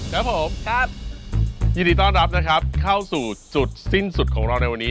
ครับผมครับยินดีต้อนรับนะครับเข้าสู่จุดสิ้นสุดของเราในวันนี้